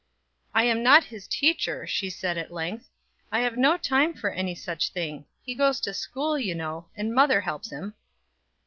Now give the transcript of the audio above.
"I am not his teacher," she said at length "I have no time for any such thing; he goes to school, you know, and mother helps him."